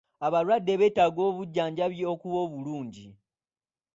Abalwadde beetaaga obujjanjabi okuba obulungi.